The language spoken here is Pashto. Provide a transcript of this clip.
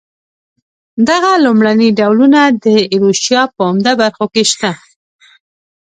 دغه لومړني ډولونه د ایروشیا په عمده برخو کې شته.